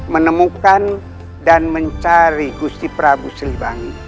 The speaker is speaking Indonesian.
menemukan dan mencari gusti prabu sri bangi